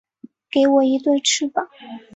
给我一对翅膀